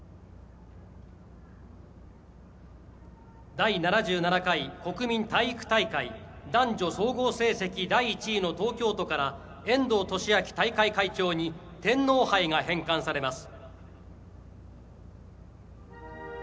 第７７回国民体育大会男女総合成績第１位の東京都から遠藤利明大会会長に天皇杯が返還されます。